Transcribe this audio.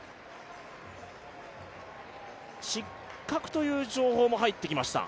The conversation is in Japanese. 失格という情報も入ってきました。